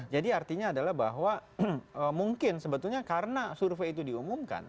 jadi artinya adalah bahwa mungkin sebetulnya karena survei itu